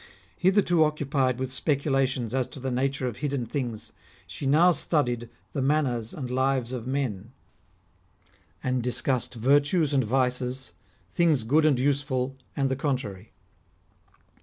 Hitherto occupied with speculations as to the nature of liidden things, she now studied the manners and lives of men, I20 REMARKABLE SAYINGS OF and discussed virtues and vices, things good and useful, and the contrary.